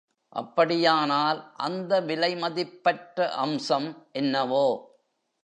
அப்படியானால் அந்த விலை மதிப்பற்ற அம்சம் என்னவோ?